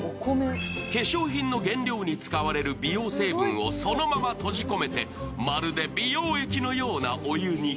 化粧品の原料に使われる美容成分をそのまま閉じ込めて、まるで美容液のようなお湯に。